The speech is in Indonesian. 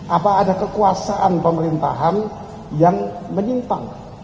apa ada kekuasaan pemerintahan yang menyimpang